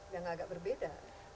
yang agak berbeda